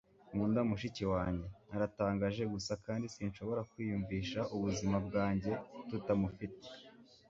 nkunda mushiki wanjye. aratangaje gusa kandi sinshobora kwiyumvisha ubuzima bwanjye tutamufite